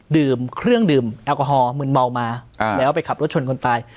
ดื่มเครื่องดื่มแอลกอฮอลมืนเมามาแล้วไปขับรถชนคนตาย